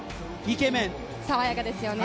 爽やかですよね。